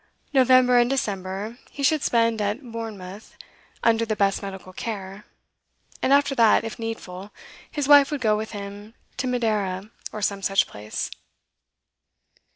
November and December he should spend at Bournemouth under the best medical care, and after that, if needful, his wife would go with him to Madeira or some such place.